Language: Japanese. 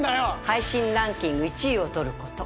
配信ランキング１位を取ること